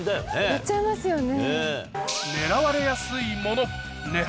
やっちゃいますよね。